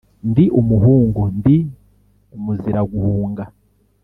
ndi umuhungu ndi umuziraguhunga,